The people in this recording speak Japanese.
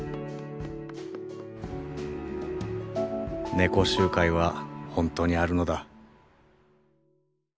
猫集会はほんとにあるのだ。